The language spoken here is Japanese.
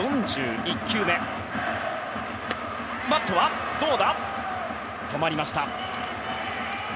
バットは止まりました。